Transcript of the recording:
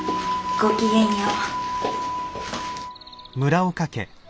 ごきげんよう。